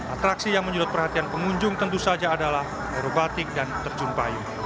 atraksi yang menyedot perhatian pengunjung tentu saja adalah aerobatik dan terjun payung